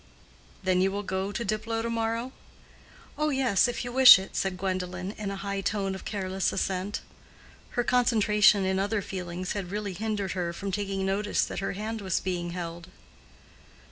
"Then you will go to Diplow to morrow?" "Oh, yes, if you wish it," said Gwendolen, in a high tone of careless assent. Her concentration in other feelings had really hindered her from taking notice that her hand was being held.